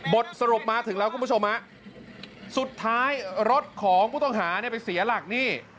บทสรุปมาถึงแล้วคุณผู้ชมฮะสุดท้ายรถของผู้ต้องหาเนี่ยไปเสียหลักนี่